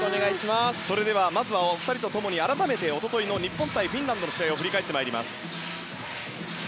まずはお二人とともに改めて一昨日の日本対フィンランドの試合を振り返ります。